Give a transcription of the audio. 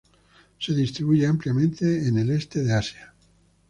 Se distribuye ampliamente en el este de Asia.